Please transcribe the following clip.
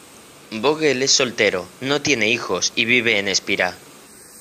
Vogel es soltero, no tiene hijos y vive en Espira.